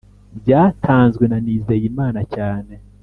byatanzwe na nizeyimana cyane